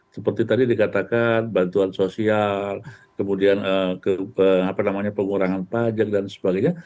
seperti tadi dikatakan bantuan sosial kemudian pengurangan pajak dan sebagainya